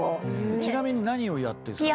ちなみに何をやってるんですか？